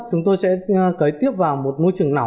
chúng tôi sẽ cấy tiếp vào một môi trường nào